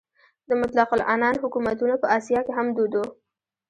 د مطلق العنان حکومتونه په اسیا کې هم دود وو.